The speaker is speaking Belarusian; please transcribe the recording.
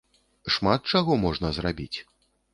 Шмат чаго можна зрабіць.